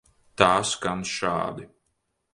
Tā skan šādi.